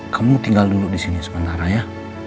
kamu tinggal dulu disini sementara ya